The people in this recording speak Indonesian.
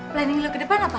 planning lo ke depan apa